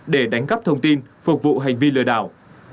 để đánh cắp thông tin phục vụ hành vi lừa đảo